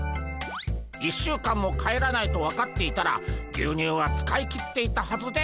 １週間も帰らないと分かっていたら牛乳は使い切っていったはずでゴンス。